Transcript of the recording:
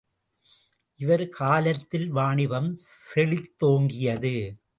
இவர் காலத்தில் வாணிபம் செழித்தோங்கியது.